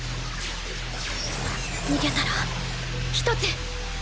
逃げたら１つ。